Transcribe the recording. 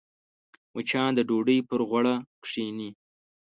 مچان د ډوډۍ پر غوړه کښېني